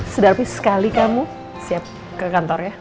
sedarapi sekali kamu siap ke kantor ya